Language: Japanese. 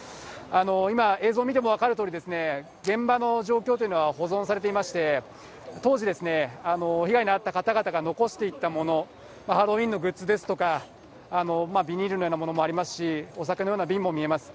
今、映像見ても分かるとおり、現場の状況というのは保存されていまして、当時、被害に遭った方々が残していったもの、ハロウィーンのグッズですとか、ビニールのようなものもありますし、お酒のような瓶も見えます。